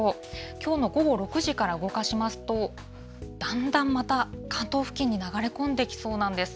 きょうの午後６時から動かしますと、だんだんまた、関東付近に流れ込んできそうなんです。